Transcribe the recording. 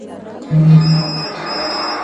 په زړه سخت ظالمه یاره سلامي ولاړه ومه!